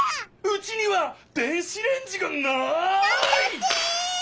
うちには電子レンジがない！